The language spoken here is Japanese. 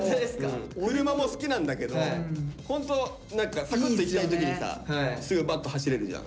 車も好きなんだけどホントサクッと行きたい時にさすぐバッと走れるじゃん。